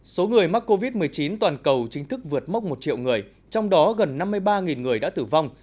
số người mắc covid một mươi chín toàn cầu chính thức vượt mốc một triệu người trong đó gần năm mươi ba người đã tử vong